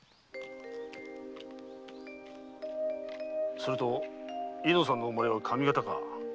すると猪之さんの生まれは上方か。